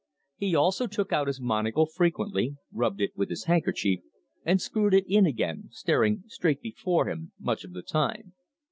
He also took out his monocle frequently, rubbed it with his handkerchief, and screwed it in again, staring straight before him much of the time.